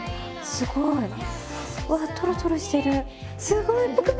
すごいね。